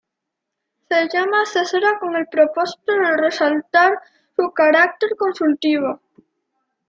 Se llama "Asesora" con el propósito de resaltar su carácter consultivo.